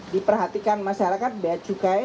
diperhatikan masyarakat bea cukai